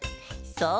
そう！